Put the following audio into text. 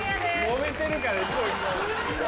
もめてるから行こう。